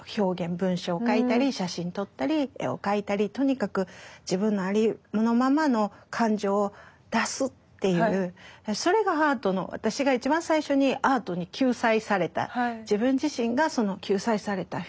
文章を書いたり写真撮ったり絵を描いたりとにかく自分のありのままの感情を出すっていうそれがアートの私が一番最初に自分自身が救済されたフィールド。